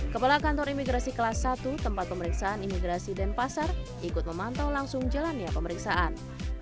kepala kantor imigrasi kelas satu tempat pemeriksaan imigrasi dan pasar ikut memantau langsung jalannya pemeriksaan